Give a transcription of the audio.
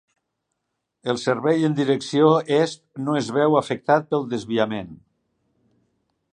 El servei en direcció est no es veu afectat pel desviament.